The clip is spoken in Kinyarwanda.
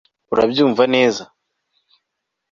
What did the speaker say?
Urabyumva neza